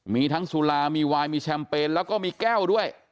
มีทั้งสุรามีวายมีแชมเปญแล้วก็มีแก้วด้วย